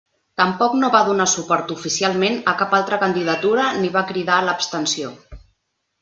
Tampoc no va donar suport oficialment a cap altra candidatura ni va cridar a l'abstenció.